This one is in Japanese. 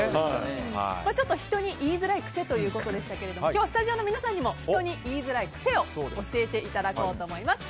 ちょっと人に言いづらい癖ということですが今日はスタジオの皆さんにも人に言いづらい癖を教えていただこうと思います。